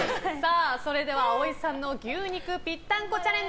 それでは葵さんの牛肉ぴったんこチャレンジ